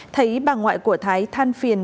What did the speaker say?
thấy bà ngoại của thái than phiền